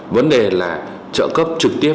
vấn đề là trợ cấp trực tiếp